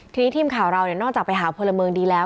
ทีนี้ทีมข่าวเรานอกจากไปหาพลเมืองดีแล้ว